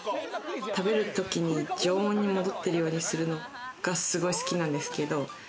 食べるときに常温に戻ってるようにするのがすごい好きなんですけれど。